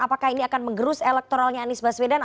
apakah ini akan mengerus elektoralnya anies baswedan